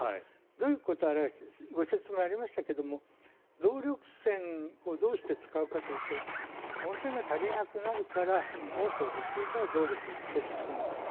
どういうことを表してるかご説明にもありましたが動力泉をどうして使うかというと温泉が足りなくなるからもっと欲しいから動力を設置するんですね。